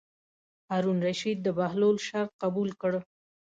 هارون الرشید د بهلول شرط قبول کړ.